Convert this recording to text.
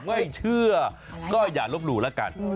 ไม่เชื่อก็อย่าลบหลู่แล้วกัน